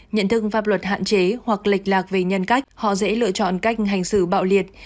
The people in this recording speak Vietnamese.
nhận thức pháp luật hạn chế hoặc lệch lạc về nhân cách họ dễ lựa chọn cách hành xử bạo liệt